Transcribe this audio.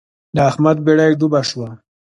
د احمد بېړۍ ډوبه شوه.